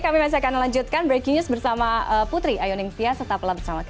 kami masih akan melanjutkan breaking news bersama putri ayu ningktia serta pelab sama kb